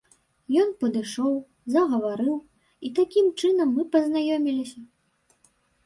Ён падышоў, загаварыў і такім чынам мы пазнаёміліся.